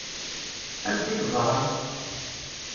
Amek i tt-ẓṛan?